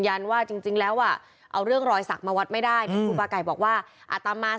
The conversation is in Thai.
ยันว่าจริงแล้วว่าเอาเรื่องรอยสักมาวัดไม่ได้บอกว่าอัตมา